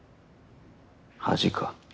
恥か？